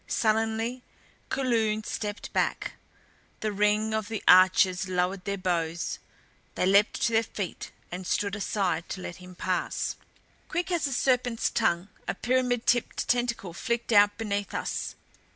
Sullenly Kulun stepped back. The ring of the archers lowered their bows; they leaped to their feet and stood aside to let him pass. Quick as a serpent's tongue a pyramid tipped tentacle flicked out beneath us.